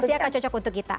pasti akan cocok untuk kita